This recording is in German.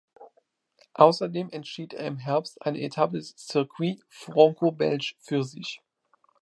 Außerdem entschied er im Herbst eine Etappe des Circuit Franco-Belge für sich.